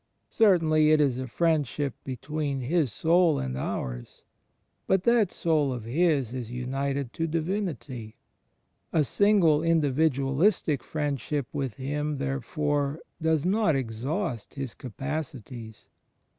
Certainly it is a friendship between His Soul and ours; but that Soul of His is united to Divin ity. A single individualistic friendship with Him there fore does not exhaust His capacities.